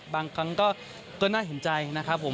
บางครั้งก็น่าเห็นใจนะครับผม